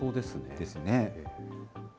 ですね。